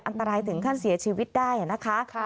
อันตรายถึงขั้นเสียชีวิตได้นะคะ